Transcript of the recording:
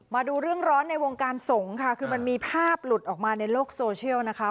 มาดูเรื่องร้อนในวงการสงฆ์ค่ะคือมันมีภาพหลุดออกมาในโลกโซเชียลนะคะ